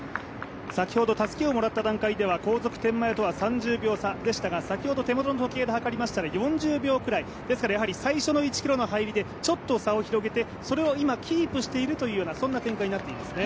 先ほどたすきをもらった段階では、後続、天満屋と３０秒差でしたが先ほどは４０秒くらい、ですから最初の１ｋｍの入りでちょっと差を広げてそれを今キープしている展開になっていますね。